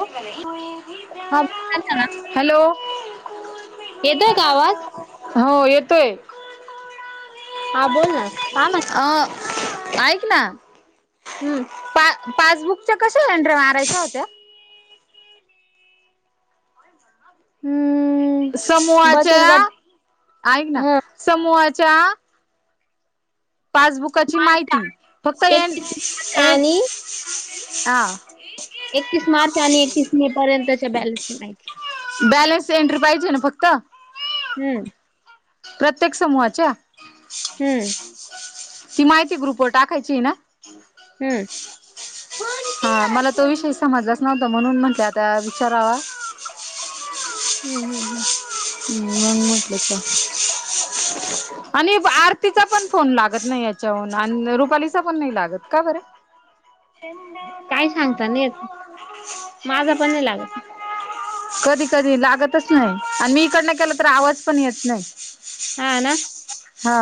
होय कनी हां बोला ना, येतोय का आवाज? हो येतोय हा बोल ना काय म्ह अ ऐक ना हम्म पा पासबुकच्या कशा एन्ट्री मारायच्या होत्या हम्म समूहाच्या बचत गट आहेक ना हा समूहाच्या पासबुकाची माहिती फक्त एन एकतीस मार्च एन आणि हा एकतीस मार्च आणि एकतीस मे पर्यंतच्या बॅलनसची माहिती सेंटर पाहिजे ना फक्त हम्म प्रत्येक समूहाच्या हम्म माहिती ग्रुप टाकायची ना हम्म हा मला तो विषय समजलाच नव्हत म्हणून म्हंटलं आता विचारावा ह् हम्म, हम्म, हम्म ह् मग म्हटलं का आणि आरतीचा पण फोन लागत नाही याच्याहून आणि रुपालीचा पण नाही लागत का बर काय सांगता नाही येत माझा पण नाही लागत [unintelligible] कधी कधी लागतच नाही आणि मी इकडन केला तर आवाज पण येत नाही हा ना. हा